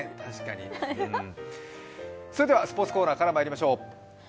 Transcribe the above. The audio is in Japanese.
それではスポーツコーナーからまいりましょう。